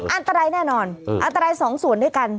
อันตรายแน่นอนอันตรายสองส่วนด้วยกัน